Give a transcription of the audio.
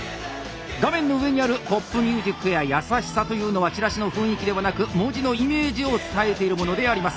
画面の上にある「ＰＯＰＭＵＳＩＣ」や「やさしさ」というのはチラシの雰囲気ではなく文字のイメージを伝えているものであります。